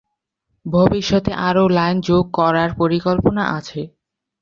ভবিষ্যতে আরও লাইন যোগ করার পরিকল্পনা আছে।